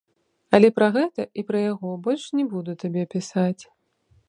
Але пра гэта і пра яго больш не буду табе пісаць.